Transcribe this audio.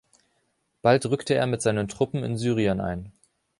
Bald rückte er mit seinen Truppen in Syrien ein.